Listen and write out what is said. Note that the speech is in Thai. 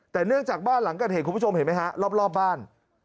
แต่เนื่องจากบ้านหลังเกิดเหตุคุณผู้ชมเห็นไหมฮะรอบบ้าน